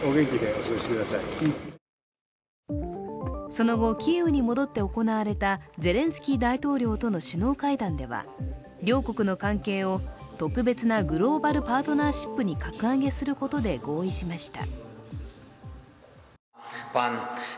その後、キーウに戻って行われたゼレンスキー大統領との首脳会談では両国の関係を特別なグローバルパートナーシップに格上げすることで合意しました。